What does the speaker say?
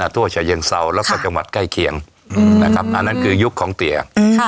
ทั่วฉะเชิงเซาแล้วก็จังหวัดใกล้เคียงนะครับอันนั้นคือยุคของเตี๋ย